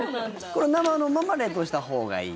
これ、生のまま冷凍したほうがいい？